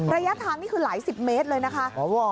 ระยะทางนี่คือหลายสิบเมตรเลยนะคะ